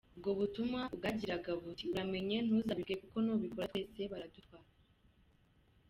Ubwo butumwa bwagiraga buti “Uramenye ntuzabivuge kuko nubikora twese baradutwara.